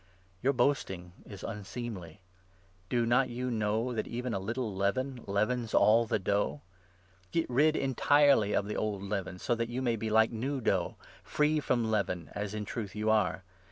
Your boasting is unseemly. Do not you know 6 that even a little leaven leavens all the dough ? Get rid en 7 tirely of the old leaven, so that you may be like new dough — free from leaven, as in truth you are.